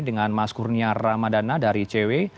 dengan mas kurnia ramadana dari icw